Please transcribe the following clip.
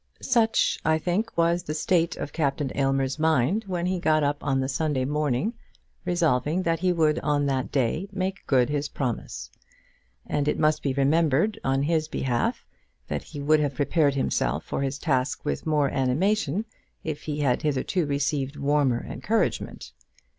Such, I think, was the state of Captain Aylmer's mind when he got up on the Sunday morning, resolving that he would on that day make good his promise. And it must be remembered, on his behalf, that he would have prepared himself for his task with more animation if he had hitherto received warmer encouragement.